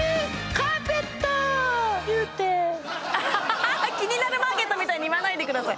いうてアハハハッ「キニナルマーケット」みたいに言わないでください！